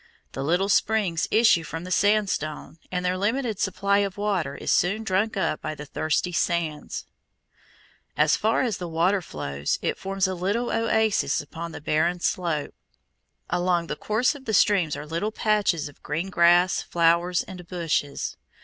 The little springs issue from the sandstone, and their limited supply of water is soon drunk up by the thirsty sands. As far as the water flows it forms a little oasis upon the barren slope. Along the course of the streams are little patches of green grass, flowers, and bushes.